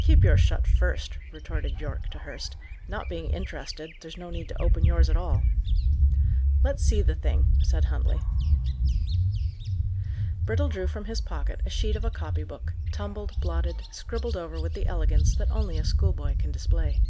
"Keep yours shut first," retorted Yorke to Hurst. "Not being interested, there's no need to open yours at all." "Let's see the thing," said Huntley. Brittle drew from his pocket a sheet of a copy book, tumbled, blotted, scribbled over with the elegance that only a schoolboy can display.